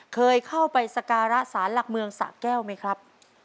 เคยเข้าไปสการะสารหลักเมืองสะแก้วไหมครับ